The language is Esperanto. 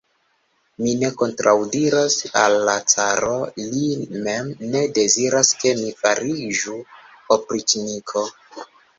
Mi ne kontraŭdiras al la caro, li mem ne deziras, ke mi fariĝu opriĉniko.